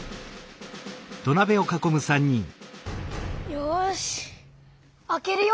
よしあけるよ。